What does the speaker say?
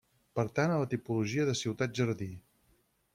Pertany a la tipologia de ciutat-jardí.